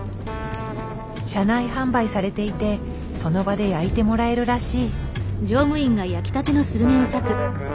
車内販売されていてその場で焼いてもらえるらしい。